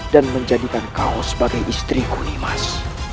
dan menjadikan kau sebagai istriku nimas